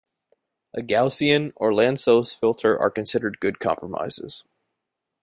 A Gaussian or a Lanczos filter are considered good compromises.